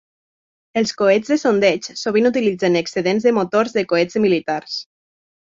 Els coets de sondeig sovint utilitzen excedents de motors de coets militars.